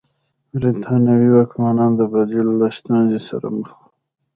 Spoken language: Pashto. برېټانوي واکمنان د بدیل له ستونزې سره مخ وو.